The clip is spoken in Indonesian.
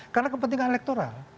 karena kepentingan elektoral